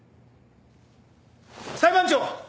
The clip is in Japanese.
裁判長！